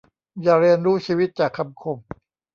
อย่าเรียนรู้ชีวิตจากคำคม